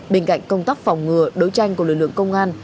bên cạnh công tác phòng ngừa đấu tranh của lực lượng công an